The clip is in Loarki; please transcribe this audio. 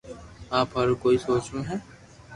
آپ ھارو ڪوئي سوچوو ھي